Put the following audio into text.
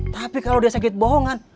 tapi kalau dia sakit bohongan